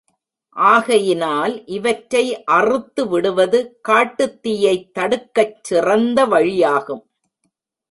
ஆகையினால் இவற்றை அறுத்துவிடுவது காட்டுத் தீயைத் தடுக்கச் சிறந்த வழியாகும்.